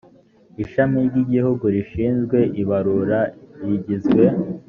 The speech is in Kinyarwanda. ishami ry igihugu rishinzwe ibarura rigizwe